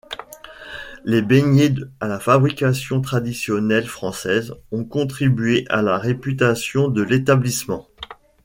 Les beignets à la fabrication traditionnelle française ont contribué à la réputation de l'établissement.